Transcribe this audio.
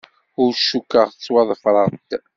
Ur cukkeɣ ttwaḍefreɣ-d.